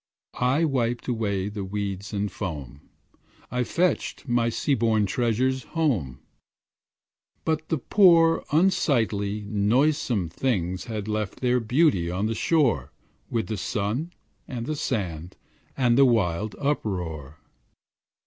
I wiped away the weeds and foam, I fetched my sea born treasures home; But the poor, unsightly, noisome things Had left their beauty on the shore With the sun and the sand and the wild uproar.